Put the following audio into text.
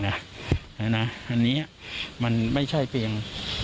อันนี้มันไม่ใช่เพียง